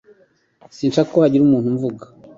Sinshaka ko hagira umuntu umvuga